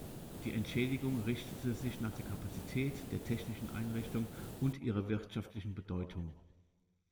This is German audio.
Die Entschädigung richtete sich nach der Kapazität, der technischen Einrichtung und ihrer wirtschaftlichen Bedeutung.